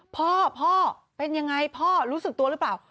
พ่อพ่อเป็นยังไงพ่อรู้สึกตัวหรือเปล่า